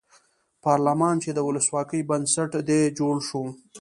پارلمان چې د ولسواکۍ بنسټ دی جوړ شو.